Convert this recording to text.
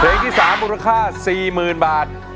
เพลงที่๓มูลค่า๔๐๐๐๐บาท